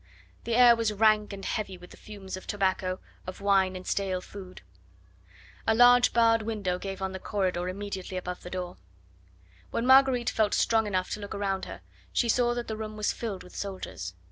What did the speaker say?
The air was rank and heavy with the fumes of tobacco, of wine and stale food. A large barred window gave on the corridor immediately above the door. When Marguerite felt strong enough to look around her, she saw that the room was filled with soldiers.